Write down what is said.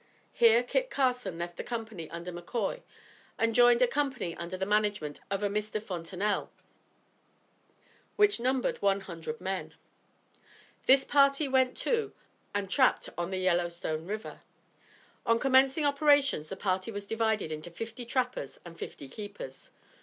Here Kit Carson left the company under McCoy and joined a company under the management of a Mr. Fontenelle which numbered one hundred men. This party went to and trapped on the Yellow Stone River. On commencing operations the party was divided into fifty trappers and fifty keepers.